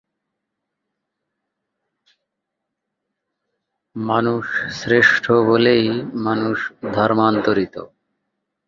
কিন্তু তাঁর মায়ের মৃত্যুর পরে তাঁদের পুনর্মিলন হয়েছিল।